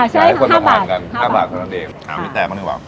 ใช้ให้คนเราทานกัน๕บาทเท่านั้นเอง